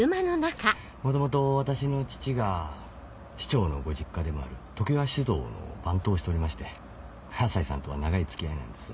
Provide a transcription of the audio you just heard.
元々私の父が市長のご実家でもある常葉酒造の番頭をしておりまして朝陽さんとは長い付き合いなんです。